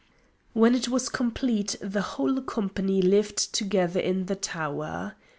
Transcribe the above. When it was completed the whole company lived together in the tower.